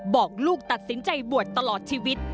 บอกลูกตัดสินใจบวชตลอดชีวิต